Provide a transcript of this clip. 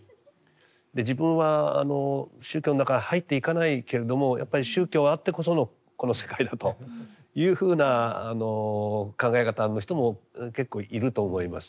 自分は宗教の中に入っていかないけれどもやっぱり宗教あってこそのこの世界だというふうな考え方の人も結構いると思います。